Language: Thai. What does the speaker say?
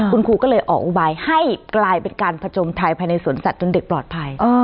คุณครูก็เลยออกอุบายให้กลายเป็นการผจมไทยภายในสวนสัตว์จนเด็กปลอดภัย